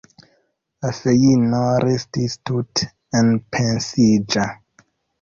La feino restis tute enpensiĝa.